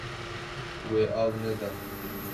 Wê av neda.